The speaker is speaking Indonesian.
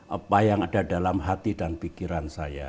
apa yang ada dalam hati dan pikiran saya